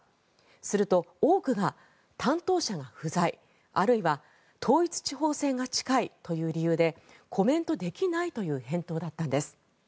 すると、多くが担当者が不在あるいは統一地方選が近いという理由でコメントできないという返答だったんです。